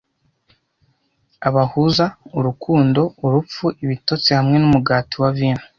Abahuza urukundo, urupfu, ibitotsi, hamwe numugati na vino,